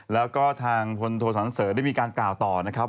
แล้วก็ทางพลโทสันเสริฐได้มีการกล่าวต่อนะครับ